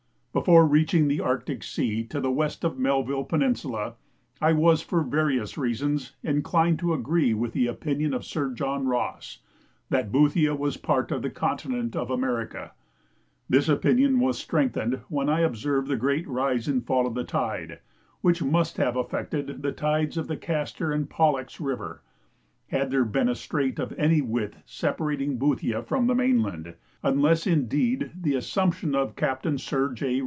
Before reaching the Arctic Sea to the west of Melville Peninsula, I was for various reasons inclined to agree with the opinion of Sir John Ross, "that Boothia was part of the continent of America." This opinion was strengthened when I observed the great rise and fall of the tide, which must have affected the tides at the Castor and Pollux River, had there been a strait of any width separating Boothia from the mainland, unless indeed the assumption of Captain Sir J.